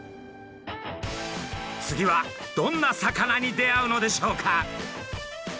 次はどんな魚に出会うのでしょうか？